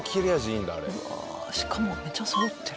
しかもめっちゃそろってる。